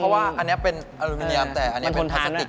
เพราะว่าอันนี้เป็นอลูมิเนียมแต่อันนี้เป็นพลาสติก